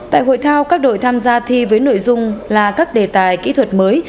tại hội thao các đội tham gia thi với nội dung là các đề tài kỹ thuật mới